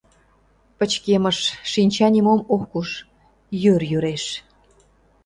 Пычкемыш, шинча нимом ок уж, йӱр йӱреш.